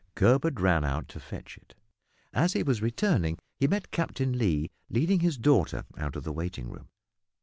Gurwood ran out to fetch it. As he was returning he met Captain Lee leading his daughter out of the waiting room.